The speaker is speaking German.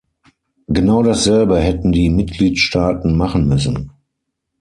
Genau dasselbe hätten die Mitgliedstaaten machen müssen.